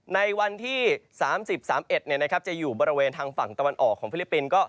ในวันที่๓๐๓๑จะอยู่บริเวณทางฝั่งตะวันออกของฟิลิปปินส์